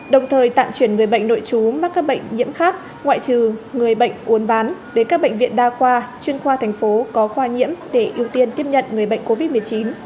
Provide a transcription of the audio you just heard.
đồng thời tạm chuyển người bệnh nội trú mắc các bệnh nhiễm khác ngoại trừ người bệnh uốn ván đến các bệnh viện đa khoa chuyên khoa thành phố có khoa nhiễm để ưu tiên tiếp nhận người bệnh covid một mươi chín